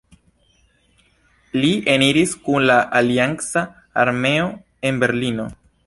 Li eniris kun la alianca armeo en Berlino.